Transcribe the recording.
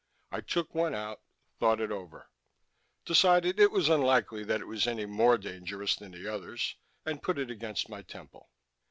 I took one out, thought it over, decided it was unlikely that it was any more dangerous than the others, and put it against my temple....